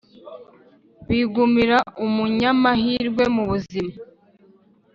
bimugira umu nyamahirwe mu buzima